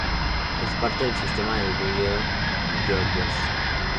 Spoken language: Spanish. Es parte del sistema del río Georges.